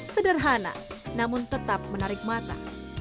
sederhana namun tetap menarik mata